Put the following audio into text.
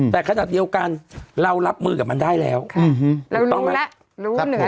แต่ขนาดเดียวกันเรารับมือกับมันได้แล้วค่ะเรารู้แล้วรู้เหนือ